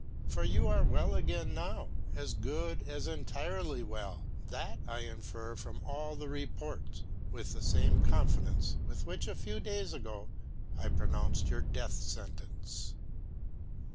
For you are well again now, as good as entirely well that I infer from all the reports, with the same confidence with which a few days ago I pronounced our death sentence.